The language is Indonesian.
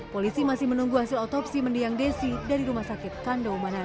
polisi masih menunggu hasil otopsi mendiang desi dari rumah sakit kandau manan